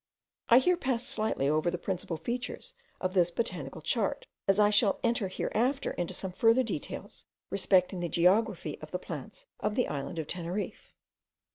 I here pass slightly over the principal features of this botanical chart, as I shall enter hereafter into some farther details respecting the geography of the plants of the island of Teneriffe.